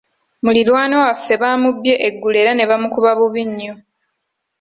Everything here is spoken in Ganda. Muliraanwa waffe baamubbye eggulo era ne bamukuba bubi nnyo.